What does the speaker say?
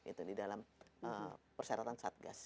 itu di dalam persyaratan satgas